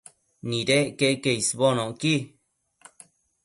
Nidec queque isbonocqui